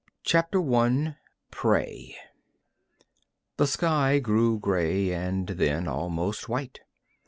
_ CHAPTER I Prey The sky grew gray and then almost white.